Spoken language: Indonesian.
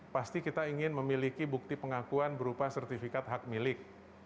pasti kita ingin memiliki bukti pengakuan berupa sertifikat hak milik